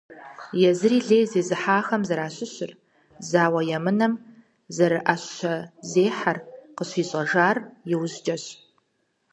Езыри лей зезыхьэхэм зэращыщыр, зауэ емынэм зэриӀэщэзехьэр къыщищӀэжар иужькӏэщ.